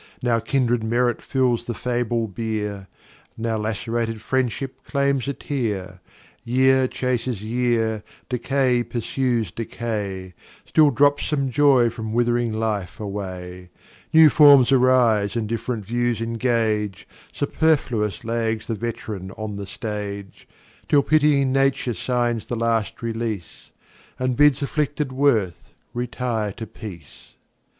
Now Kindred Merit fills the fable Bier, Now lacerated Friendship claims a Tear. Year chases Year, Decay pursues Decay, Still drops some Joy from with'ring Life away; New Forms arise, and diff'rent Views engage, Superfluous lags the Vet'ran on the Stage, Till pitying Nature signs the last Release, And bids afflicted Worth retire to Peace.